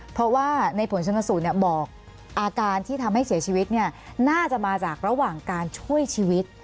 เพราะว่าในผลชนสูตรบอกอาการที่ทำให้เสียชีวิตน่าจะมาจากระหว่างการช่วยชีวิต